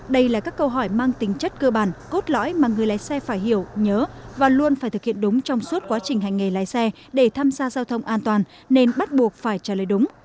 đây là các câu hỏi mang tính chất cơ bản cốt lõi mà người lái xe phải hiểu nhớ và luôn phải thực hiện đúng trong suốt quá trình hành nghề lái xe để tham gia giao thông an toàn nên bắt buộc phải trả lời đúng